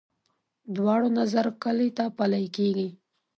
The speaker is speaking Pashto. دواړو نظر کلي ته پلی کېږي.